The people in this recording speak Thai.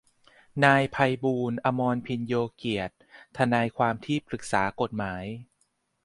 นายไพบูลย์ อมรภิญโญเกียรติ ทนายความที่ปรึกษากฏหมาย